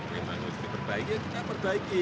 yang manusia perbaiki